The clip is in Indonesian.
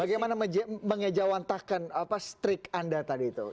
bagaimana mengejawantakan apa setrik anda tadi itu